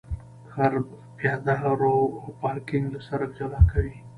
کرب پیاده رو او پارکینګ له سرک جلا کوي